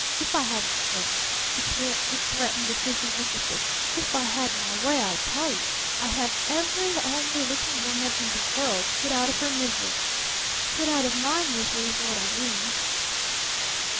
If I had my way," he threatened with hissing emphasis, "if I had my way, I tell you, I'd have every homely looking woman in the world put out of her misery! Put out of my misery is what I mean!"